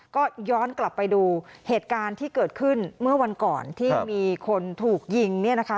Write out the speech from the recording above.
ก็ย้อนกลับไปดูเหตุการณ์ที่เกิดขึ้นเมื่อวันก่อนที่มีคนถูกยิงเนี่ยนะคะ